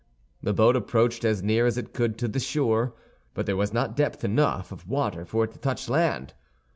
The boat approached as near as it could to the shore; but there was not depth enough of water for it to touch land.